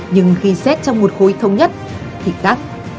nhưng khi xét trong một khối thông nhất thì tắt